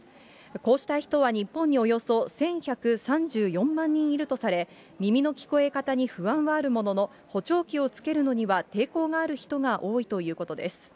こうした人は日本におよそ１１３４万人いるとされ、耳の聞こえ方に不安はあるものの、補聴器をつけるのには抵抗がある人が多いということです。